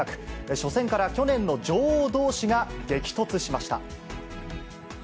初戦から去年の女王どうしが激突しました。